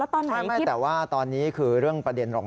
ขอดูหน่อย